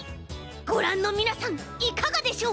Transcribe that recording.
ごらんのみなさんいかがでしょう？